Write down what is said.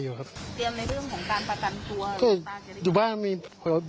อยู่บ้านเตอร์มีครับแต่อยู่เตอร์มันอยู่เนี้ย